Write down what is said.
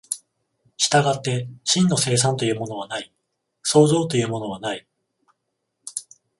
従って真の生産というものはない、創造というものはない。